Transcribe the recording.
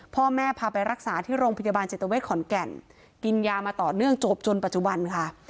พ่อแม่พาไปรักษาที่โรงพยาบาลจิตเวทขอนแก่นกินยามาต่อเนื่องจบจนปัจจุบันค่ะ